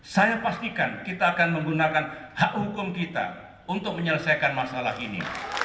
saya pastikan kita akan menggunakan hak hukum kita untuk menyelesaikan masalah ini